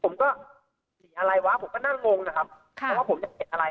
ทำทำเลยนะครับว่าบอกว่าผมจะเห็นอะไร